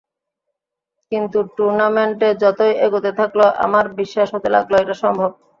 কিন্তু টুর্নামেন্টে যতই এগোতে থাকল, আমার বিশ্বাস হতে লাগল, এটা সম্ভব।